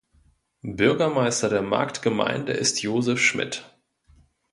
Bürgermeister der Marktgemeinde ist Josef Schmid.